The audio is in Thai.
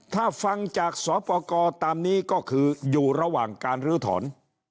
ถ้าฟังจากสปกรตามนี้ก็คืออยู่ระหว่างการลื้อถอน